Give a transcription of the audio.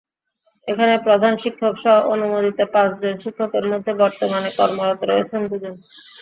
এখানে প্রধান শিক্ষকসহ অনুমোদিত পাঁচজন শিক্ষকের মধ্যে বর্তমানে কর্মরত রয়েছেন দুজন।